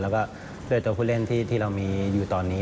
แล้วก็ด้วยตัวผู้เล่นที่เรามีอยู่ตอนนี้